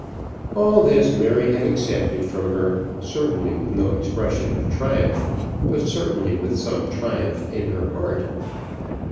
All this Mary had accepted from her, certainly with no expression of triumph, but certainly with some triumph in her heart.